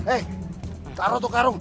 eh taro tuh karung